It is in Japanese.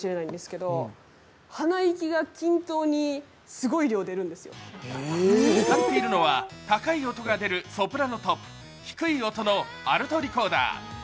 しかし、結構難しいらしく使っているのは高い音が出るソプラノと低い音のアルトリコーダー。